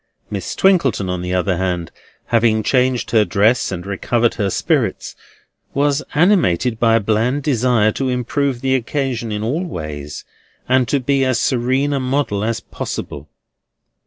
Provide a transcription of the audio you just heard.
Miss Twinkleton, on the other hand, having changed her dress and recovered her spirits, was animated by a bland desire to improve the occasion in all ways, and to be as serene a model as possible.